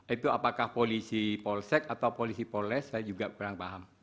itu apakah polisi polsek atau polisi polres saya juga kurang paham